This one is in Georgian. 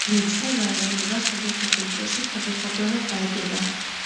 ცნება „ეროვნება“ სხვადასხვა კულტურაში სხვადასხვაგვარად გაიგება.